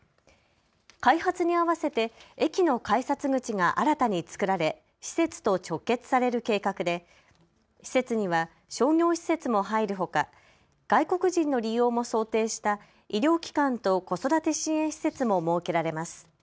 開発にあわせて駅の改札口が新たに作られ施設と直結される計画で施設には商業施設も入るほか外国人の利用も想定した医療機関と子育て支援施設も設けられます。